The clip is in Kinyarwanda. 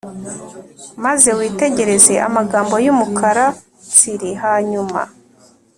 maze witegereze amagambo y’umukara tsiri hanyuma